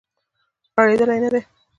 غړیدلې نه دی